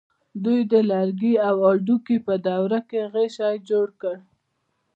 دوی د لرګي او هډوکي په دوره کې غشی جوړ کړ.